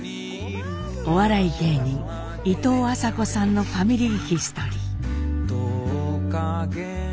お笑い芸人いとうあさこさんの「ファミリーヒストリー」。